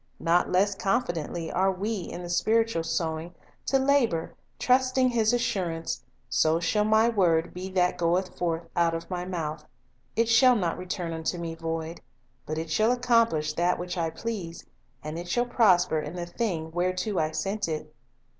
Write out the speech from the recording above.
Not less confidently are we, in the spiritual sowing, to labor, trusting His assur ance: "So shall My word be that goeth forth out of My mouth; it shall not return unto Me void, but it shall accomplish that which I please, and it shall prosper in the thing whereto I sent it."